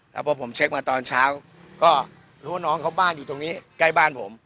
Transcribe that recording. แล้วพอผมเช็คมาตอนเช้าก็รู้ว่าน้องเขาบ้านอยู่ตรงนี้ใกล้บ้านผม